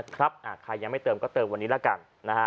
ใครยังไม่เติมก็เติมวันนี้ละกันนะฮะ